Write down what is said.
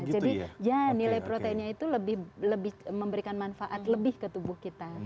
jadi ya nilai proteinnya itu lebih memberikan manfaat lebih ke tubuh kita